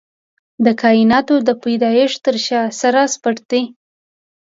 د کائناتو د پيدايښت تر شا څه راز پټ دی؟